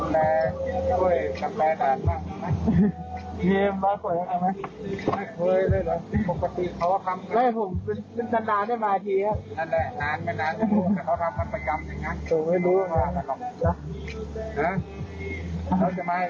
แล้วจะมาอีกตอนไหนโรงพยาบาลนานครับ